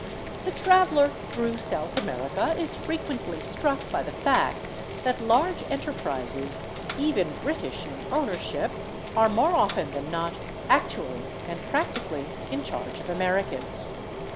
The traveler through South America is frequently struck by the fact that large enterprises, even British in ownership, are more often than not actually and practically in charge of Americans.